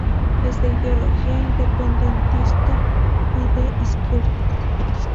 Es de ideología independentista y de izquierdas.